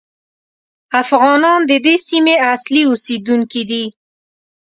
افغانان د دې سیمې اصلي اوسېدونکي دي.